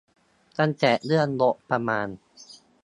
ตั้งแต่เรื่องงบประมาณ